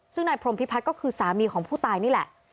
ซึ่งนายพรมพิพัฒน์ก็คือสามีของผู้ตายนี่แหละ